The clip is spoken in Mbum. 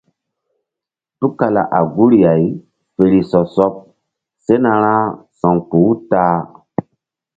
Tukala a guri-ay fe ri sɔ sɔɓ sena ra sa̧wkpuh-u ta-a.